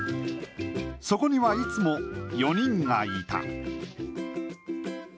そこにはいつも４人がいた。